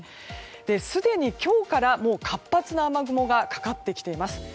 すでに今日から活発な雨雲がかかってきています。